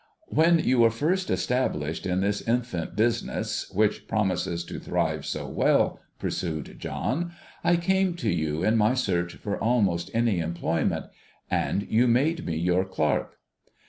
'When you were first established in this infant business, which promises to thrive so well,' pursued John, ' I came to you, in my search for almost any employment, and you made me your clerk.'